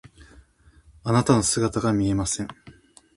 あなたの姿が見えません。